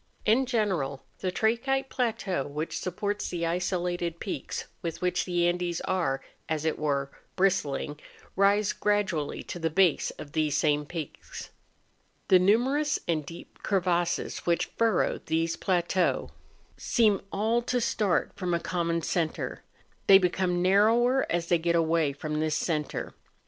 In general the trachytic plateau which supports the isolated peaks with which the Andes are, as it were, bristling, rise gradually to the base of these same peaks. The numerous and deep crevasses which furrow these plateaux seem all to start from a common centre; they become narrower as they get away from this centre.